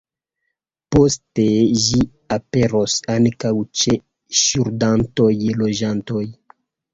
Poste ĝi aperos ankaŭ ĉe ŝuldantaj loĝantoj.